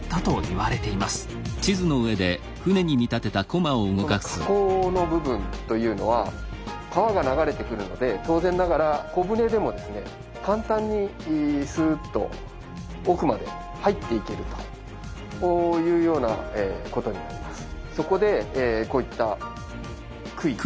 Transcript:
この河口の部分というのは川が流れてくるので当然ながら小舟でもですね簡単にスーッと奥まで入っていけるというようなことになります。